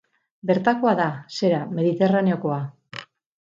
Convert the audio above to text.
Bertakoa da, zera, Mediterraneokoa.